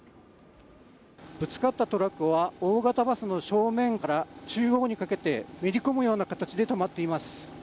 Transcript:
ぶつかったトラックは大型バスの正面から中央にかけて、めり込むような形で止まっています。